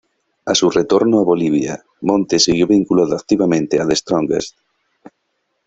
A su retorno a Bolivia, Montes siguió vinculado activamente a The Strongest.